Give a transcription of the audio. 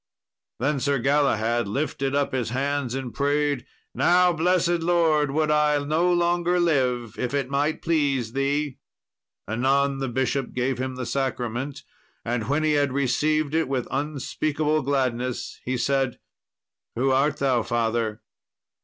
Then Sir Galahad lifted up his hands and prayed, "Now, blessed Lord! would I no longer live if it might please Thee." Anon the bishop gave him the sacrament, and when he had received it with unspeakable gladness, he said, "Who art thou, father?"